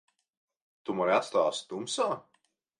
Tu mani atstāsi tumsā?